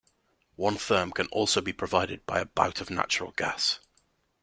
One therm can also be provided by about of natural gas.